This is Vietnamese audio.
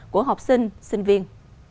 của học sinh sinh viên